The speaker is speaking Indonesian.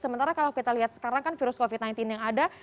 sementara kalau kita lihat sekarang kan virus covid sembilan belas yang ada